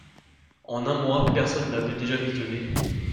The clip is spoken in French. En un mois, personnes l’avaient déjà visionné.